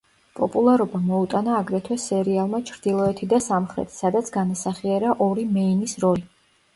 პოპულარობა მოუტანა აგრეთვე სერიალმა „ჩრდილოეთი და სამხრეთი“, სადაც განასახიერა ორი მეინის როლი.